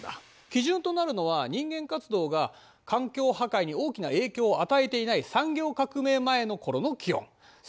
基準となるのは人間活動が環境破壊に大きな影響を与えていない産業革命前の頃の気温。